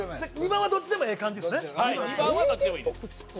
２番はどっちでもええ感じっすね